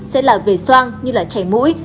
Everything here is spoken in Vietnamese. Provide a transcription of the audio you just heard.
sẽ là về soan như là chảy mũi